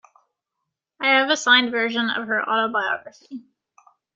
I have a signed version of her autobiography.